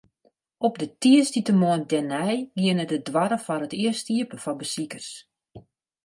Op de tiisdeitemoarn dêrnei giene de doarren foar it earst iepen foar besikers.